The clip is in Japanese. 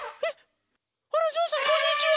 あらぞうさんこんにちは。